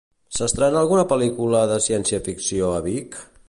S'estrena alguna pel·lícula de ciència-ficció a Vic?